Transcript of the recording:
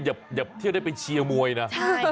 อย่าเที่ยวได้ไปเชียร์มวยนะ